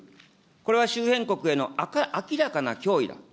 これは周辺国への明らかな脅威だ。